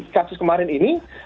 kasus kemarin ini